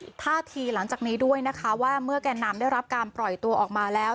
ท่าทีหลังจากนี้ด้วยนะคะว่าเมื่อแก่นำได้รับการปล่อยตัวออกมาแล้ว